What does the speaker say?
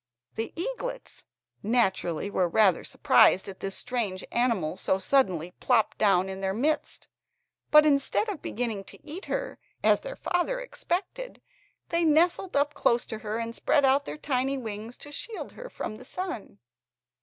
The eaglets naturally were rather surprised at this strange animal, so suddenly popped down in their midst, but instead of beginning to eat her, as their father expected, they nestled up close to her and spread out their tiny wings to shield her from the sun.